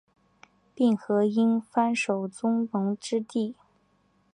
并河因幡守宗隆之弟。